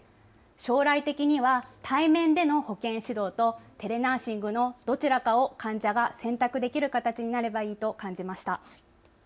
将来的には対面での保健指導とテレナーシングのどちらかを患者が選択できる形になればいいと感じました。